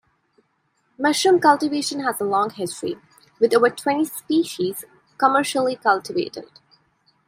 Mushroom cultivation has a long history, with over twenty species commercially cultivated.